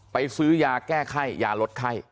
ซื้อยาแก้ไข้ยาลดไข้